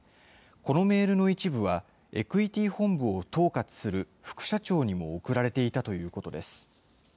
このメールの一部は、エクイティ本部を統括する副社長にも送られていたということです。